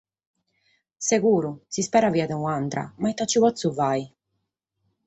Seguru, s’ispera fiat un’àtera, ma ite bi potzo fàghere?